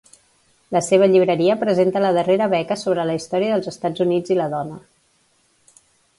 La seva llibreria presenta la darrera beca sobre la història dels Estats Units i la dona.